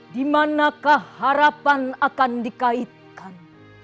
dimanakah harapan akan dikaitkan